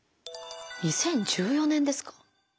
２０１４年ですか。